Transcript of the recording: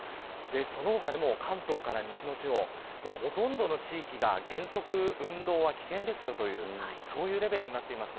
その他、関東から西の地方ほとんどの地域が原則、運動は危険ですよというレベルになっています。